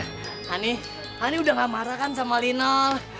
hani hani udah gak marah kan sama linol